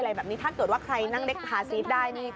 ถ้าเกิดว่าใครนั่งเล็กท้าซีสได้